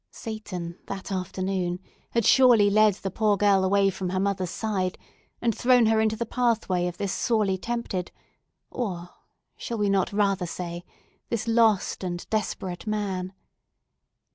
Satan, that afternoon, had surely led the poor young girl away from her mother's side, and thrown her into the pathway of this sorely tempted, or—shall we not rather say?—this lost and desperate man.